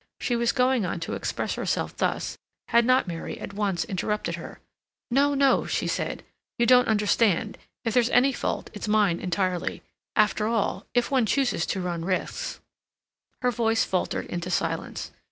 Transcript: She was going on to express herself thus, had not Mary at once interrupted her. "No, no," she said; "you don't understand. If there's any fault it's mine entirely; after all, if one chooses to run risks—" Her voice faltered into silence.